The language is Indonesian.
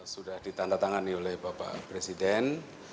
sudah ditandatangani oleh bapak presiden